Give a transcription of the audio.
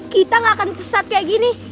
kita enggak akan sesat kayak gini